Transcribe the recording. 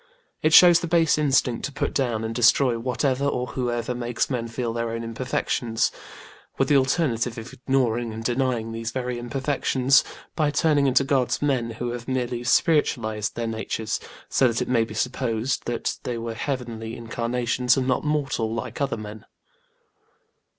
It shows the base instinct to put down and destroy whatever or whoever makes men feel their own imperfections; with the alternative of ignoring and denying these very imperfections by turning into gods men who have merely spiritualised their natures, so that it may be supposed that they were heavenly incarnations and not mortal like other men.